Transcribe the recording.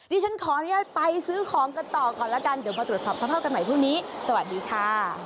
ดิฉันขออนุญาตไปซื้อของกันต่อก่อนแล้วกันเดี๋ยวมาตรวจสอบสภาพกันใหม่พรุ่งนี้สวัสดีค่ะ